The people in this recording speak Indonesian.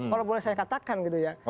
kalau boleh saya katakan gitu ya